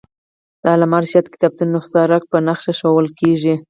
د علامه رشاد کتابتون نسخه رک په نخښه ښوول کېږي.